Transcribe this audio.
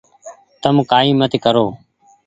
تم ڪآئي مت ڪرو ۔